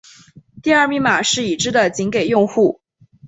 第二密码是已知的仅给用户。